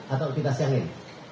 atau kita siangin